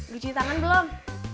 ruci tangan belum